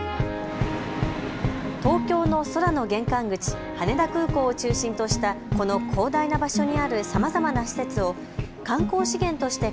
東京の空の玄関口、羽田空港を中心としたこの広大な場所にあるさまざまな施設を観光資源として